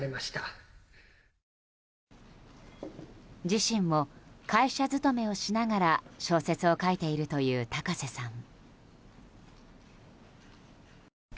自身も会社勤めをしながら小説を書いているという高瀬さん。